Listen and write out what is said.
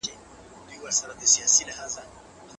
ګټه اخلي، او د دوی آثار د درناوي وړ ګڼل سوي دي